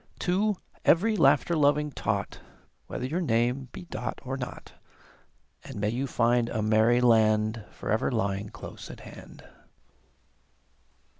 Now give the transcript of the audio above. To ev'ry laughter loving Tot Whether your name be Dot or not; And may you find a Merryland Forever lying close at hand.